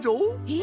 え？